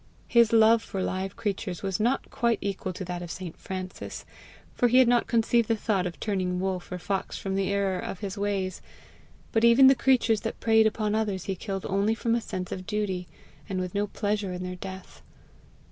His love for live creatures was not quite equal to that of St. Francis, for he had not conceived the thought of turning wolf or fox from the error of his ways; but even the creatures that preyed upon others he killed only from a sense of duty, and with no pleasure in their death.